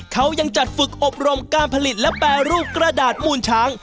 เขายังจัดฝึกอบรมการผลิตและแปรรูปกระดาษมูลช้าง